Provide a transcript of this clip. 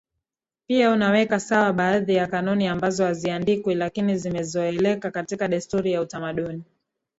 pia unaweka sawa baadhi ya kanuni ambazo haziandikwi lakini zimezoeleka katika desturi na utamaduni